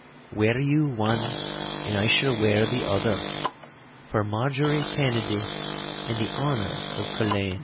Wear you one and I shall wear the other—for Marjorie Kennedy and the honour of Culzean.